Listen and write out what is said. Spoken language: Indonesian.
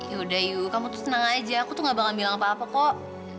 yaudah yu kamu tuh tenang aja aku tuh nggak bakal bilang apa apa kok